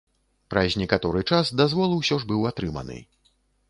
Праз некаторы час дазвол усё ж быў атрыманы.